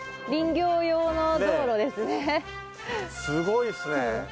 すごいですね。